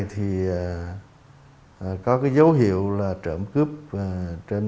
thì có cái dấu hiệu là trợm cướp trên